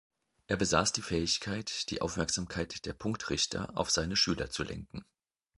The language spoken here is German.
Er besaß die Fähigkeit, die Aufmerksamkeit der Punktrichter auf seine Schüler zu lenken.